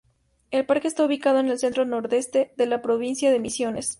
El parque está ubicado en el centro-nordeste de la provincia de Misiones.